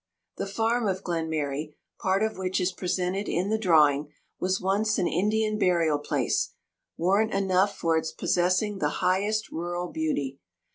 The farm of Glenmary, part of which is presented in the drawing, was once an Indian burial place—warrant enough for its possessing the highest rural beauty.